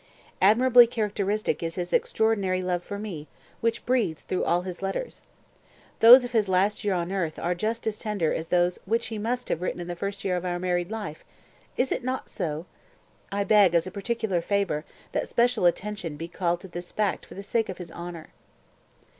Admirably characteristic is his extraordinary love for me, which breathes through all his letters. Those of his last year on earth are just as tender as those which he must have written in the first year of our married life; is it not so? I beg as a particular favor that special attention be called to this fact for the sake of his honor."